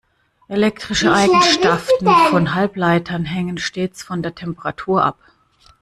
Elektrische Eigenschaften von Halbleitern hängen stets von der Temperatur ab.